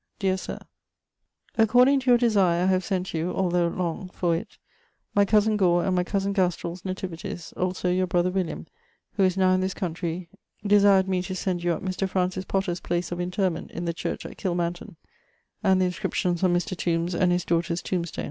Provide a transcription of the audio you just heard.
Deare Sir[CA], According to your desire I have sent you (although long, for it), my cozen Gore and my cozen Gastrell's nativityes; also your brother William who is now in this countrey desired mee to send you up Mr. Francis Potter's place of interment in the church at Killmanton, and the inscriptions on Mr. Tombs' and his daughter's tombston.